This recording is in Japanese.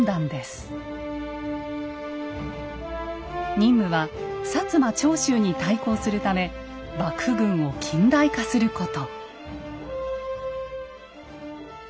任務は摩・長州に対抗するため幕府軍を近代化すること。